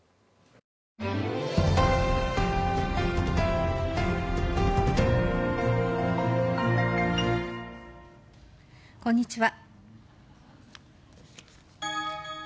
こんにちは。